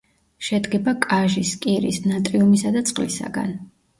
შედგება კაჟის, კირის, ნატრიუმისა და წყლისაგან.